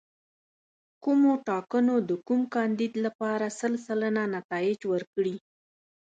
کومو ټاکنو د کوم کاندید لپاره سل سلنه نتایج ورکړي.